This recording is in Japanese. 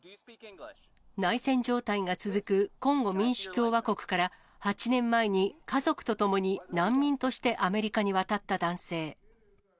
内戦状態が続くコンゴ民主共和国から８年前に家族と共に難民としてアメリカに渡った男性。